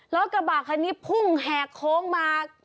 แล้วกระบาดคันนี้พุ่งแหกโครงมา